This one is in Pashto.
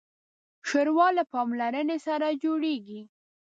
ښوروا له پاملرنې سره جوړیږي.